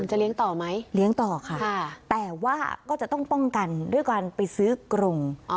จะเลี้ยงต่อไหมเลี้ยงต่อค่ะแต่ว่าก็จะต้องป้องกันด้วยการไปซื้อกรง